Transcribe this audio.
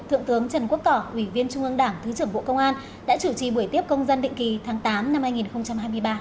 thượng tướng trần quốc tỏ ủy viên trung ương đảng thứ trưởng bộ công an đã chủ trì buổi tiếp công dân định kỳ tháng tám năm hai nghìn hai mươi ba